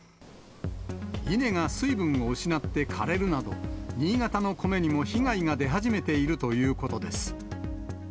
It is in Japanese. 稲が水分を失って枯れるなど、新潟の米にも被害が出始めているということです。